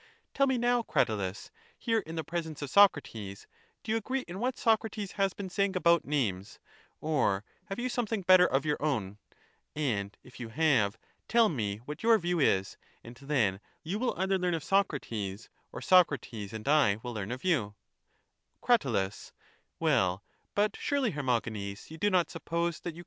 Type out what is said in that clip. Tell me now, Cratylus, here in the presence of Socrates, do you agree in what Socrates has been saying about names, or have you something better of your own? and if you have, tell me what your view is, and then you will either learn of Socrates, or Socrates and I will learn of you.